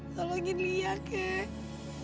tolongin lia kek